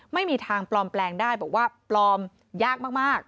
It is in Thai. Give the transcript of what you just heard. ไม่มีทางปลอมแปลงได้บอกว่าปลอมยากมาก